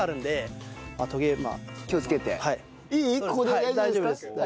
ここで大丈夫ですか？